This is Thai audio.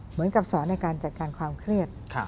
เหมือนกับสอนในการจัดการความเครียด